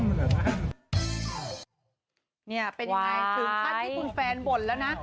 นี่เป็นไงถึงขั้นที่คุณแฟนบ่นแล้วนะ